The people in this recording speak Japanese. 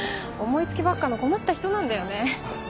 思い付きばっかの困った人なんだよね。